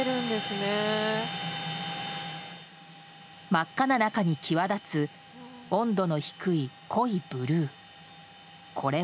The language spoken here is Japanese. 真っ赤な中に際立つ温度の低い、濃いブルー。